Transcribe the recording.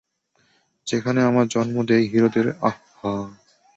যেখানে আমরা জন্ম দেই হিরোদের, - আহ-হাহ।